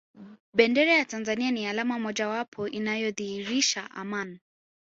bendera ya tanzania ni alama moja wapo inayodhihirisha aman